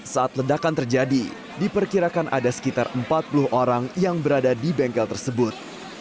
saat ledakan terjadi diperkirakan ada sekitar empat puluh orang yang berada di bengkel tersebut